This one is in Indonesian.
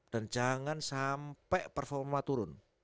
dan jangan sampai performa turun